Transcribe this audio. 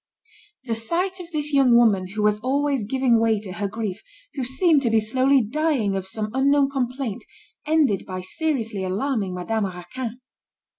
The sight of this young woman who was always giving way to her grief, who seemed to be slowly dying of some unknown complaint, ended by seriously alarming Madame Raquin.